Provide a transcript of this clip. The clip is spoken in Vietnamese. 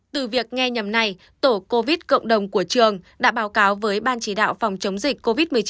từ việc nghe nhầm này tổ covid cộng đồng của trường đã báo cáo với ban chỉ đạo phòng chống dịch covid một mươi chín